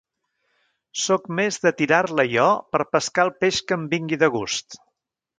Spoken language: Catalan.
Soc més de tirar-la jo per pescar el peix que em vingui de gust.